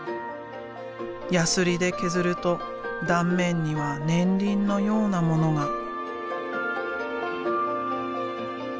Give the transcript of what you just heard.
ヤスリで削ると断面には年輪のようなものが。